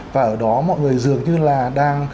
và ở đó mọi người dường như là đang